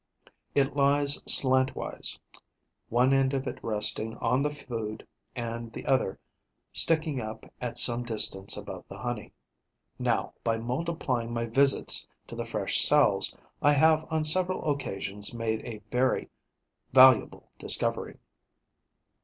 It lies slantwise, one end of it resting on the food and the other sticking up at some distance above the honey. Now, by multiplying my visits to the fresh cells, I have on several occasions made a very valuable discovery.